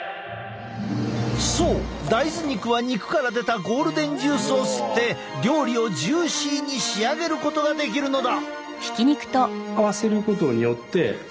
そう大豆肉は肉から出たゴールデンジュースを吸って料理をジューシーに仕上げることができるのだ。